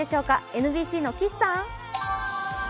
ＮＢＣの岸さん。